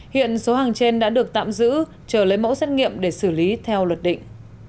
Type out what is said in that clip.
hiện số hàng trên đã được tạm giữ chờ lấy mẫu xét nghiệm để xử lý theo luật định